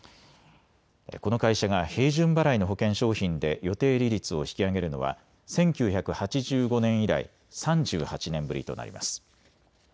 この会社が平準払いの保険商品で予定利率を引き上げるのは１９８５年以来、３８年ぶりとなります。